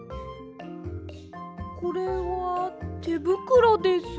これはてぶくろです。